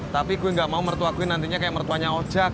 tapi gue ga mau mertua gue nantinya kayak mertuanya ojak